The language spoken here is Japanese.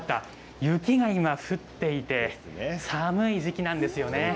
雪が今、降っていて、寒い時期なんですよね。